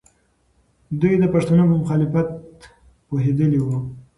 دوی د پښتنو په مخالفت پوهېدلې وو.